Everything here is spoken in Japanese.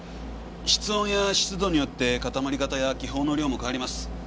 室温や湿度によって固まり方や気泡の量も変わります。